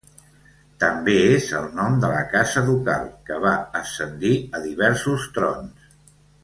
També és el nom de la casa ducal, que va ascendir a diversos trons.